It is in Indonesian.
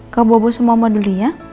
kak bobo sama mama dulu ya